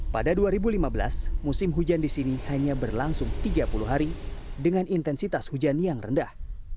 pada dua ribu lima belas musim hujan di sini hanya berlangsung tiga puluh hari dengan intensitas hujan yang rendah